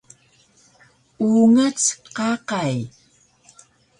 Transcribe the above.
Ungac qaqay